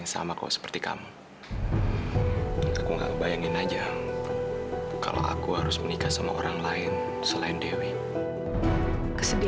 ustadz kalau kamu aja gak bisa membayangkan menikah dengan orang lain selain dewi